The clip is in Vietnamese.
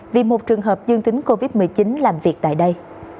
vì một trường hợp dương tính covid một mươi chín làm việc tại đây